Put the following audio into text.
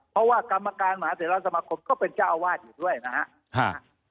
เพราะว่ากรรมการหมาเตรียร์และสมคมก็เป็นเจ้าวาสอยู่ด้วยนะฮะ